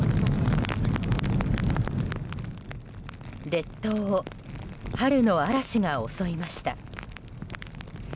列島を春の嵐が襲いました。